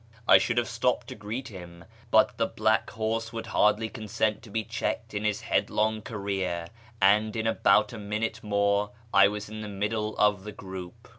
I should have stopped to greet him, but the black horse would hardly consent to be checked in his headlong career, and in about a minute more I was in the middle of the group.